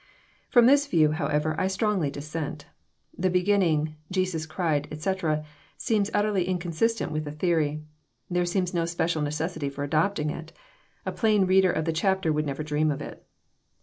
From this view, however, I strongly dissent. The beginning, Jesus cried," etc., seems utterly inconsistent with the theory. There seems no special necessity for adopting it. A plain reader of the chapter would never dream of it.